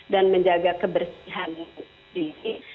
dan menjaga kebersihan diri